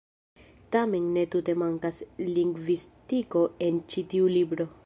Tamen ne tute mankas lingvistiko en ĉi tiu libro.